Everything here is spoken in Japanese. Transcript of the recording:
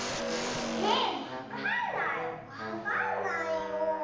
えわかんないわかんないよ。